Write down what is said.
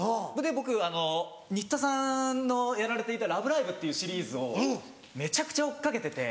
僕新田さんのやられていた『ラブライブ！』っていうシリーズをめちゃくちゃ追っ掛けてて。